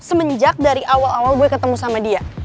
semenjak dari awal awal gue ketemu sama dia